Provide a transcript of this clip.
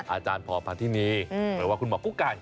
อาจารย์พอพาธินีหรือว่าคุณหมอกุ๊กไก่